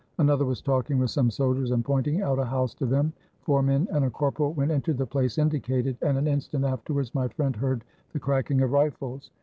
Another was talking with some soldiers, and pointing out a house to them. Four men and a corporal went into the place indicated, and an instant afterwards my friend heard the cracking of rifles.